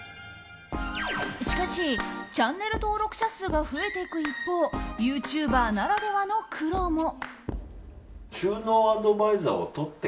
しかし、チャンネル登録者数が増えていく一方ユーチューバーならではの苦労も。